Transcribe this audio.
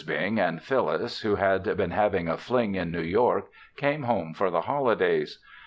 Bing and Phyllis who had been having a fling in New York came home for the holidays.